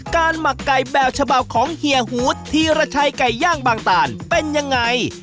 การหมักไก่แบบชะเบาของเฮียหูททีระชัยไก่ย่างบางต่านเป็นยังไง